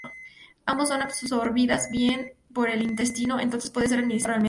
Ambos son absorbidas bien por el intestino, entonces puede ser administrada oralmente.